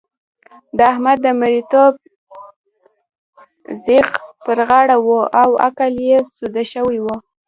د احمد د مرېيتوب ځغ پر غاړه وو او عقل يې سوده شوی وو.